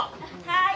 はい。